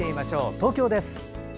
東京です。